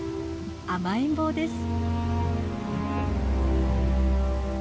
甘えん坊です。